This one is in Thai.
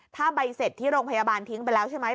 ถ้าใบเสร็จที่โรงพยาบาลทิ้งไปแล้วใช่ไหม